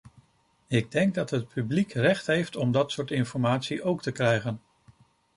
Ik denk dat het publiek recht heeft om dat soort informatie ook te krijgen.